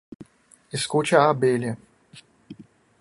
escute a abelha